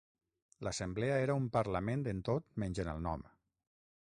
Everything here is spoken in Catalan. L'assemblea era un parlament en tot menys en el nom.